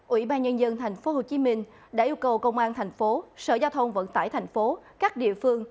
ủy ban nhân dân tp hcm đã yêu cầu công an thành phố sở giao thông vận tải thành phố các địa phương